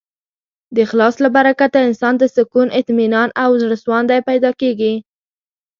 د اخلاص له برکته انسان ته سکون، اطمینان او زړهسواندی پیدا کېږي.